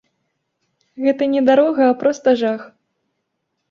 Гэта не дарога, а проста жах.